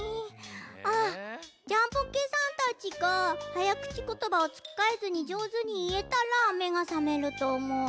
あっジャンポケさんたちがはやくちことばをつっかえずにじょうずにいえたらめがさめるとおもう。